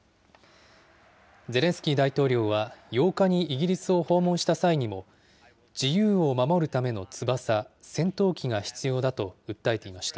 ゼレンスキー大統領は、８日にイギリスを訪問した際にも、自由を守るための翼、戦闘機が必要だと訴えていました。